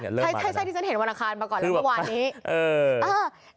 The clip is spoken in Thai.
ใช่ที่ฉันเห็นวันอาคารมาก่อนแล้วเมื่อวานนี้